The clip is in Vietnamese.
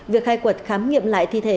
việc khai quật khám nghiệm lại thi thể